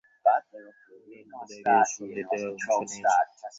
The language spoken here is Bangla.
তিনি হুদায়বিয়ার সন্ধিতে অংশ নিয়েছিলেন।